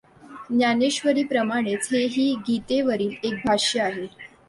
ज्ञानेश्वरीप्रमाणेच हेही गीतेवरील एक भाष्य आहे.